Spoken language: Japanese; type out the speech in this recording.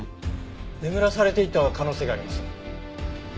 眠らされていた可能性があります。